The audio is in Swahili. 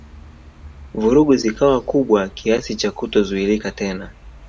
Vurugu zikawa kubwa kiasi cha kutozuilika tena